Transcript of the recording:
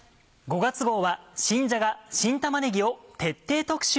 ５月号は「新じゃが・新玉ねぎ」を徹底特集。